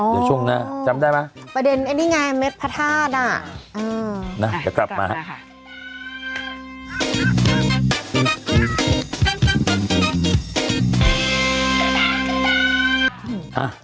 จากช่วงหน้าจำได้ไหมประเด็นไอ้นี่ไงเม็ดพระธาตุอ่ะอ่าน่ะจะกลับมานะคะ